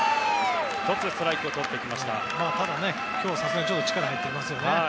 ただ、今日はさすがに力が入っていますね。